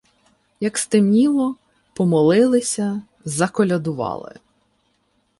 Як стемніло, помолилися, заколядували.